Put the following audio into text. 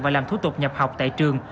và làm thủ tục nhập học tại trường